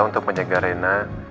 untuk menjaga nrena